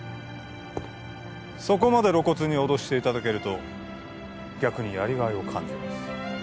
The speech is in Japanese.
そこまで露骨に脅していただけると逆にやりがいを感じます